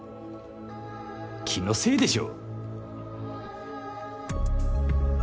気のせいでしょ。